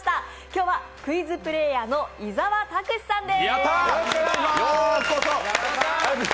今日はクイズプレーヤーの伊沢拓司さんです。